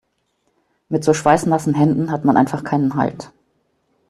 Mit so schweißnassen Händen hat man einfach keinen Halt.